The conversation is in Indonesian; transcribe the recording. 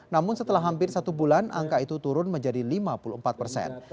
namun setelah hampir satu bulan angka itu turun menjadi lima puluh empat persen